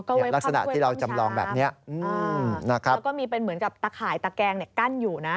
ก็ไว้ความคุยต้องชามแล้วก็มีเป็นเหมือนกับตะข่ายตะแกงกั้นอยู่นะ